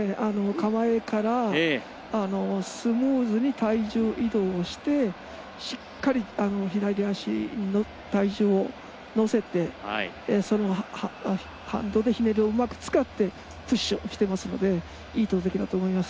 構えからスムーズに体重移動をしてしっかり、左足の体重を乗せてその反動でひねりをうまく使ってプッシュをしてますのでいい投てきだと思います。